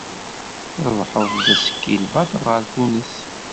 Trebḥeḍ-d assikel baṭel ɣer Tunes.